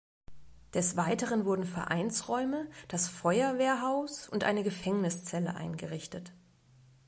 Des Weiteren wurden Vereinsräume, das Feuerwehrhaus und eine Gefängniszelle eingerichtet.